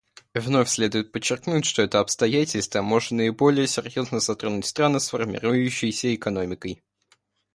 Вновь следует подчеркнуть, что это обстоятельство может наиболее серьезно затронуть страны с формирующейся экономикой.